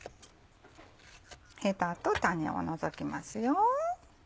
ヘタと種を除きます。